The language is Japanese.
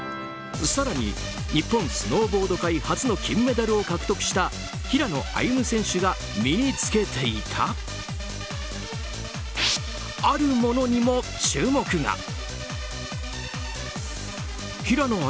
更に日本スノーボード界初の金メダルを獲得した平野歩夢選手が身に着けていたあるものにも注目が。